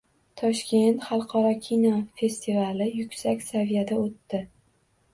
Toshkent xalqaro kinofestivali yuksak saviyada o‘tdi